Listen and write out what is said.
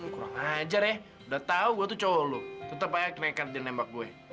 kurang ajar ya udah tau gua tuh cowo lu tetep aja kena ikat dia nembak gue